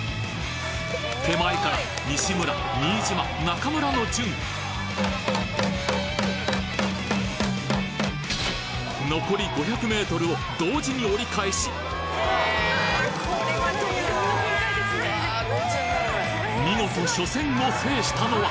手前から西村・新島・中村の順を同時に折り返し見事初戦を制したのは？